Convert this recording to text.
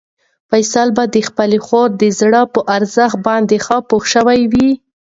فیصل باید د خپلې خور د زړه په ارزښت باندې ښه پوه شوی وای.